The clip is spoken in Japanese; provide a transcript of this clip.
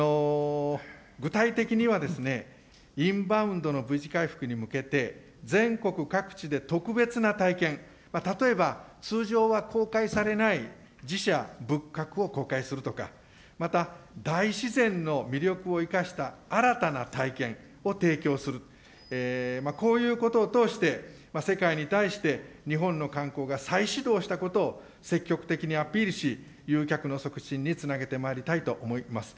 具体的にはですね、インバウンドのＶ字回復に向けて全国各地で特別な体験、例えば通常は公開されない寺社仏閣を公開するとか、また大自然の魅力を生かした新たな体験を提供する、こういうことを通して世界に対して日本の観光が再始動したことを積極的にアピールし、誘客の促進つなげてまいりたいと思います。